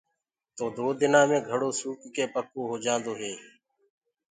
تو دو دن مي گھڙو سوڪ ڪآ توڙو پڪو هوجآندو هآ۔